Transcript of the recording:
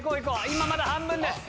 今まだ半分です。